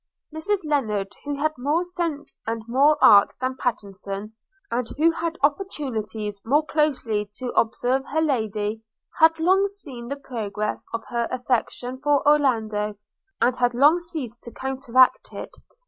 Mrs Lennard, who had more sense and more art than Pattenson, and who had opportunities more closely to observe her Lady, had long seen the progress of her affection for Orlando, and long ceased to counteract it.